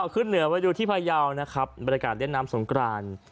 ขึ้นเหนือไปดูที่พยาวนะครับบรรยากาศเล่นน้ำสงกราน